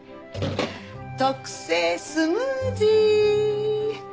特製スムージー。